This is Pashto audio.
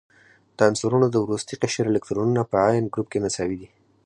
د عنصرونو د وروستي قشر الکترونونه په عین ګروپ کې مساوي دي.